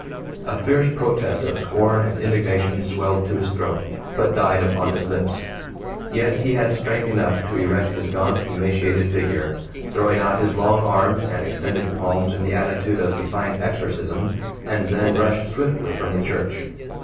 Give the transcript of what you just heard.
A fierce protest of scorn and indignation swelled to his throat, but died upon his lips. Yet he had strength enough to erect his gaunt emaciated figure, throwing out his long arms and extended palms in the attitude of defiant exorcism, and then rush swiftly from the church.